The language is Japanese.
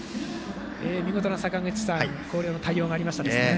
見事な広陵の対応がありましたね。